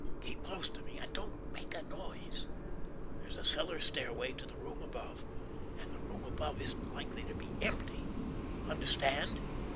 Keep close to me. And don't make a noise. There's a cellar stairway to the room above, and the room above isn't likely to be empty! Understand?"